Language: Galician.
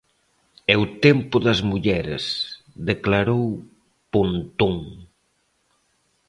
É o tempo das mulleres, declarou Pontón.